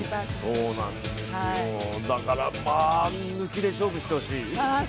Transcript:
だから抜きで勝負してほしい。